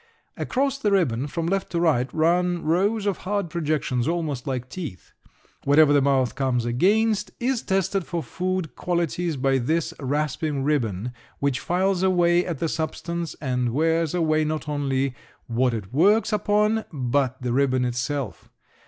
Across the ribbon from left to right run rows of hard projections almost like teeth. Whatever the mouth comes against is tested for food qualities by this rasping ribbon which files away at the substance and wears away not only what it works upon but the ribbon itself.